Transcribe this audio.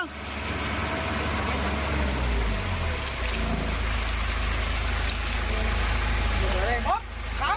สวัสดีครับคุณผู้ชาย